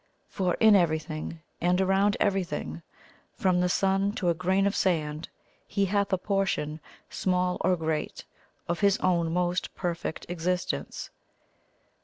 For in everything and around everything, from the sun to a grain of sand, He hath a portion, small or great, of His own most Perfect Existence.